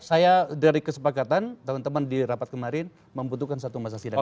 saya dari kesepakatan teman teman di rapat kemarin membutuhkan satu masa sidang